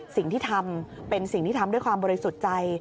สิ่งที่ทำเป็นสิ่งที่ทำด้วยความบริสุทธิ์ใจ